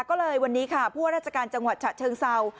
ก็เลยวันนี้ค่ะพวกราชการจังหวัดฉะเชิงเซา